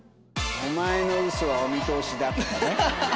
お前のウソはお見通しだとかね。